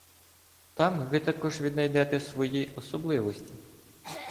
Там Ви також віднайдете свої особливості